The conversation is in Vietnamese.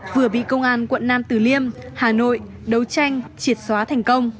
vừa bị công an quận nam từ liêm hà nội đấu tranh triệt xóa thành công